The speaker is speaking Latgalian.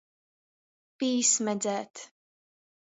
Pīsmedzēt.